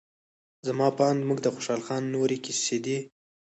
زما په اند موږ د خوشال خان نورې قصیدې